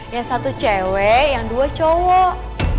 yang satu cewek yang dua cowok